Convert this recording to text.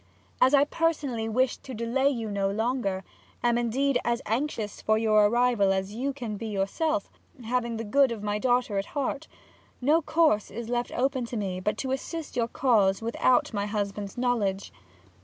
As I personally Wish to delay you no longer am indeed as anxious for your Arrival as you can be yourself, having the good of my Daughter at Heart no course is left open to me but to assist your Cause without my Husband's Knowledge.